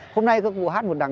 hôm nay các cụ hát một đằng